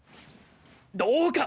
どうか！